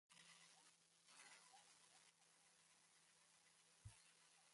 For inner city every-day traffic, some cycle lanes exist along several main streets.